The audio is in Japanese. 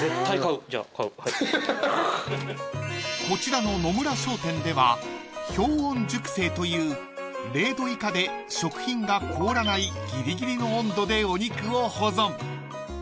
［こちらの野村商店では氷温熟成という０℃以下で食品が凍らないギリギリの温度でお肉を保存］